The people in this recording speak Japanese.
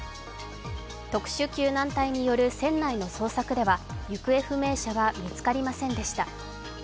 特殊救難隊による船内の捜索では行方不明者は見つかりませんでした。